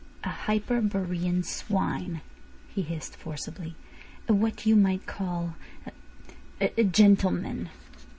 "A Hyperborean swine," he hissed forcibly. "A what you might call a—a gentleman."